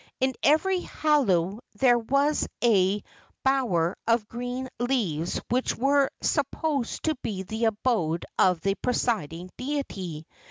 In every halau there was a bower of green leaves which were supposed to be the abode of the presiding deity.